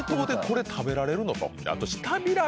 あと。